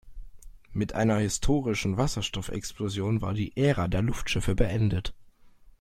Mit einer historischen Wasserstoffexplosion war die Ära der Luftschiffe beendet.